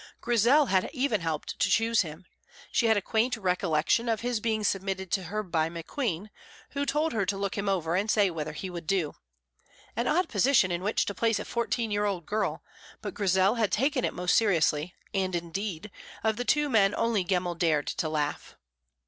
Grizel had even helped to choose him; she had a quaint recollection of his being submitted to her by McQueen, who told her to look him over and say whether he would do an odd position in which to place a fourteen year old girl, but Grizel had taken it most seriously, and, indeed, of the two men only Gemmell dared to laugh.